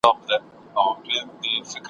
هغه زوى چي يې تر ټولو كشرى وو `